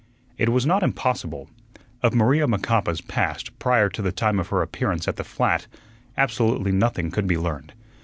It was not impossible. Of Maria Macapa's past prior to the time of her appearance at the "flat" absolutely nothing could be learned.